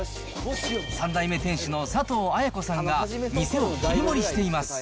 ３代目店主の佐藤あや子さんが、店を切り盛りしています。